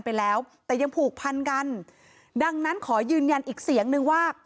ไปแล้วแต่ยังผูกพันกันดังนั้นขอยืนยันอีกเสียงนึงว่า